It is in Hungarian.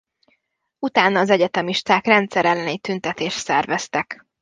Utána az egyetemisták rendszer elleni tüntetést szerveztek.